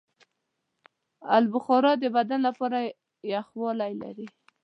آلوبخارا د بدن لپاره یخوالی لري.